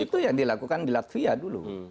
itu yang dilakukan di latvia dulu